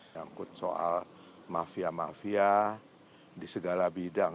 yang kut soal mafia mafia di segala bidang